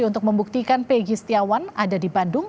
untuk membuktikan pegi setiawan ada di bandung